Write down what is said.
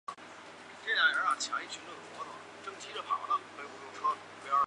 实现零复制的软件通常依靠基于直接记忆体存取的内存映射。